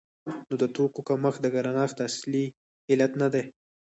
نو د توکو کمښت د ګرانښت اصلي علت نه دی.